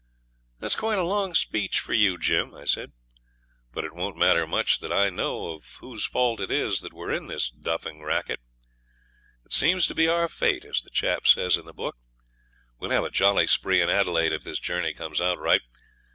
'That's quite a long speech for you, Jim,' I said; 'but it don't matter much that I know of whose fault it is that we're in this duffing racket. It seems to be our fate, as the chap says in the book. We'll have a jolly spree in Adelaide if this journey comes out right.